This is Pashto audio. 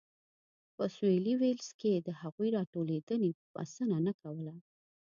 په سوېلي ویلز کې د هغوی راټولېدنې بسنه نه کوله.